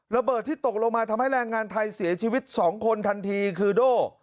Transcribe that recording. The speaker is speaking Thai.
ระเบิดที่ตกลงมาทำให้แรงงานไทยเสียชีวิต๒คนทันทีคือโด่